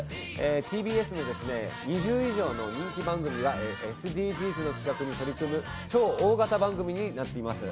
ＴＢＳの２０以上の人気番組がＳＤＧｓの活動に取り組む超大型番組になっています。